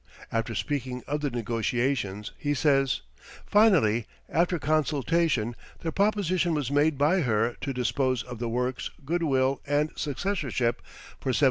After speaking of the negotiations, he says: "Finally, after consultation, the proposition was made by her to dispose of the works, good will, and successorship for $71,000.